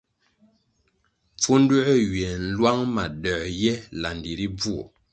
Pfunduē ywiè nlwang ma doē ye landi ri bvuo.